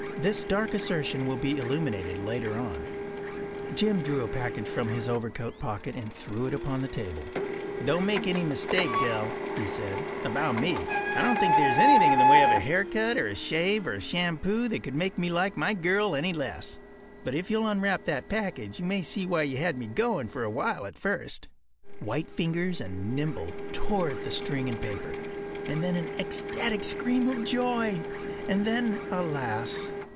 This dark assertion will be illuminated later on. Jim drew a package from his overcoat pocket and threw it upon the table. “Don’t make any mistake, Dell,” he said, “about me. I don’t think there’s anything in the way of a haircut or a shave or a shampoo that could make me like my girl any less. But if you’ll unwrap that package you may see why you had me going a while at first.” White fingers and nimble tore at the string and paper. And then an ecstatic scream of joy; and then, alas!